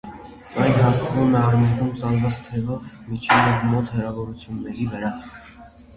Այն հասցվում է արմունկում ծալված թևով միջին և մոտ հեռավորությունների վրա։